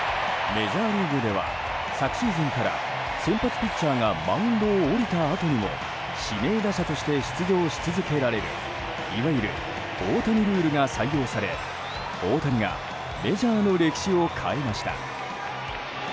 メジャーリーグでは昨シーズンから先発ピッチャーがマウンドを降りたあとにも指名打者として出場し続けられるいわゆる大谷ルールが採用され大谷がメジャーの歴史を変えました。